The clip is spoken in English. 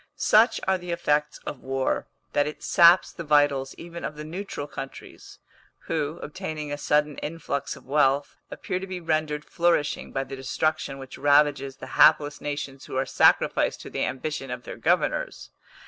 Such are the effects of war, that it saps the vitals even of the neutral countries, who, obtaining a sudden influx of wealth, appear to be rendered flourishing by the destruction which ravages the hapless nations who are sacrificed to the ambition of their governors.